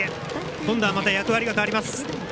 今度はまた役割が変わります。